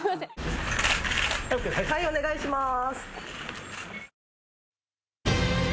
はいお願いしまーす。